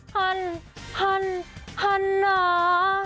ฮันฮันฮันหนา